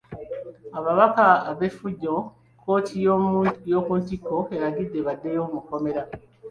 Ababaka ab'effujjo kkooti y'oku ntikko eragidde baddeyo mu kkomera .